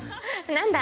「何だ！」